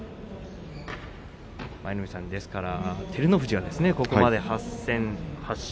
舞の海さん、照ノ富士はここまで８戦８勝。